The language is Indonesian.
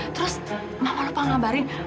terus mama lupa ngabarin